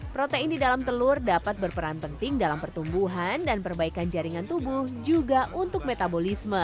protein di dalam telur dapat berperan penting dalam pertumbuhan dan perbaikan jaringan tubuh juga untuk metabolisme